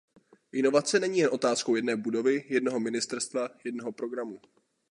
Inovace není jen otázkou jedné budovy, jednoho ministerstva, jednoho programu.